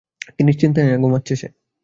কী নিশ্চিন্তেই না ঘুমাচ্ছে সে!